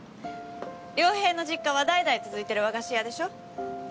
良平の実家は代々続いてる和菓子屋でしょ？